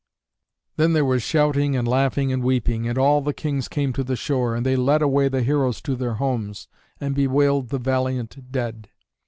Then there was shouting and laughing and weeping, and all the kings came to the shore, and they led away the heroes to their homes, and bewailed the valiant dead.